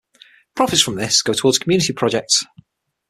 Profits from this go towards community projects.